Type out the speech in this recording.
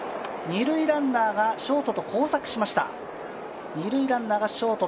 二塁ランナーがショートと交錯しました。